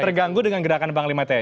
terganggu dengan gerakan panglima tni